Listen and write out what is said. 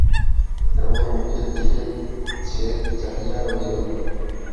কেবল মুখের দিকে সে চাহিয়া রহিল।